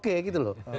kayak gitu loh